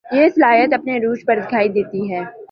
یہ صلاحیت اپنے عروج پر دکھائی دیتی ہے